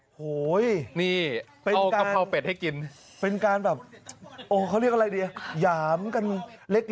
โอ้โหนี่โตกะเพราเป็ดให้กินเป็นการแบบโอ้เขาเรียกอะไรดีหยามกันเล็ก